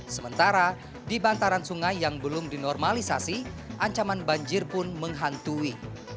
sementara di bantaran sungai yang belum dinormalisasi ancaman banjir pun menghantui